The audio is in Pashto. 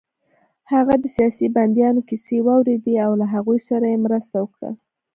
هغه د سیاسي بندیانو کیسې واورېدې او له هغوی سره يې مرسته وکړه